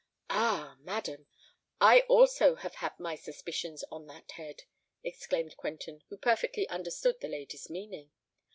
"Ah! madam—I also have had my suspicions on that head!" exclaimed Quentin, who perfectly understood the lady's meaning.